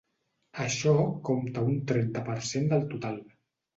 Això compta un trenta per cent del total.